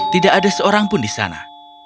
tidak ada seorang pun di sana